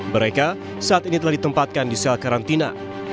mereka saat ini telah ditempatkan di sel karantina